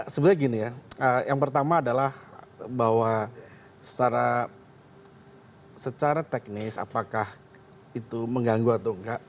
sebenarnya gini ya yang pertama adalah bahwa secara teknis apakah itu mengganggu atau enggak